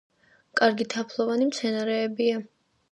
კარგი თაფლოვანი მცენარეებია.